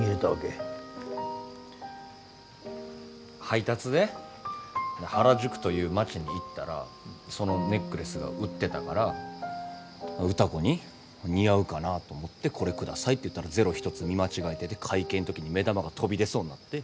配達で原宿という街に行ったらそのネックレスが売ってたから歌子に似合うかなと思って「これ下さい」って言ったらゼロ一つ見間違えてて会計の時に目玉が飛び出そうになって。